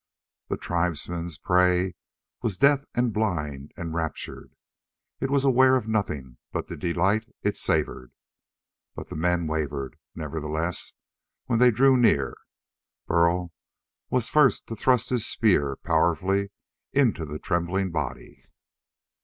The tribesmen's prey was deaf and blind and raptured. It was aware of nothing but the delight it savored. But the men wavered, nevertheless, when they drew near. Burl was first to thrust his spear powerfully into the trembling body.